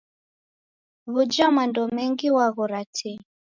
W'uja mando mengi waghora tee.